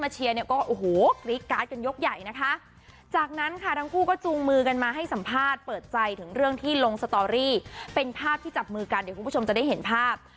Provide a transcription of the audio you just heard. เชียร์เนี่ยก็โอ้โหกรี๊ดการ์ดกันยกใหญ่นะคะจากนั้นค่ะทั้งคู่ก็จูงมือกันมาให้สัมภาษณ์เปิดใจถึงเรื่องที่ลงสตอรี่เป็นภาพที่จับมือกันเดี๋ยวคุณผู้ชมจะได้เห็นภาพ